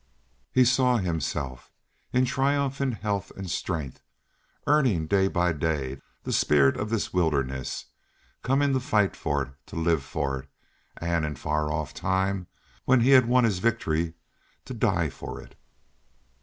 He saw himself in triumphant health and strength, earning day by day the spirit of this wilderness, coming to fight for it, to live for it, and in far off time, when he had won his victory, to die for it.